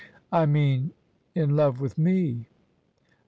" I mean in love with me."